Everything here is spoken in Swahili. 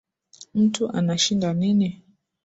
Mtu anashinda nini?